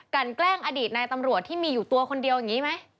แกล้งอดีตนายตำรวจที่มีอยู่ตัวคนเดียวอย่างนี้ไหม